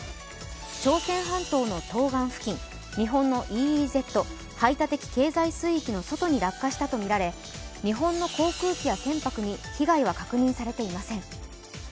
朝鮮半島の東岸付近日本のＥＥＺ＝排他的経済水域の外に落下したとみられ、日本の航空機や船舶に被害は確認されていません。